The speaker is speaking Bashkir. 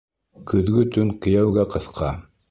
Көҙгө төн кейәүгә ҡыҫҡа.